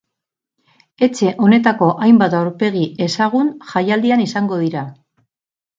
Etxe honetako hainbat aurpegi ezagun jaialdian izango dira.